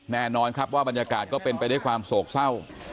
แน่นอนครับว่าบรรยากาศก็เป็นไปด้วยความโศกเศร้า